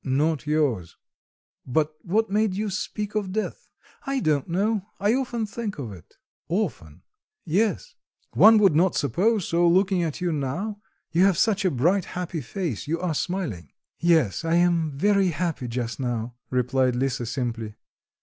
"Not yours.... But what made you speak of death?" "I don't know. I often think of it." "Often?" "Yes." "One would not suppose so, looking at you now; you have such a bright, happy face, you are smiling." "Yes, I am very happy just now," replied Lisa simply.